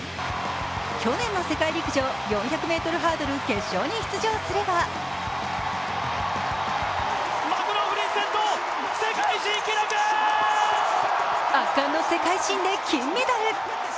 去年の世界陸上４００ｍハードル決勝に出場すれば圧巻の世界新で金メダル。